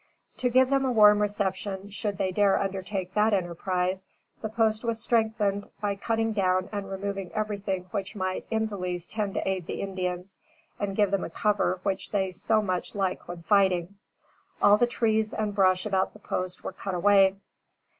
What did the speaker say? To give them a warm reception, should they dare undertake that enterprise, the post was strengthened, by cutting down and removing everything which might, in the least, tend to aid the Indians, and give them a cover which they so much like when fighting; all the trees and brush about the post were cut away.